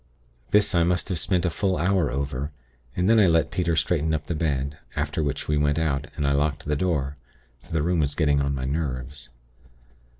This, I must have spent a full hour over, and then I let Peter straighten up the bed; after which we went out, and I locked the door; for the room was getting on my nerves.